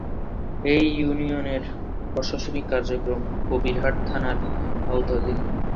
এ ইউনিয়নের প্রশাসনিক কার্যক্রম কবিরহাট থানার আওতাধীন।